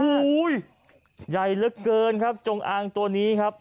อีุ้่ยยัยใหญ่ละเกินครับจงอางตัวนี้ครับ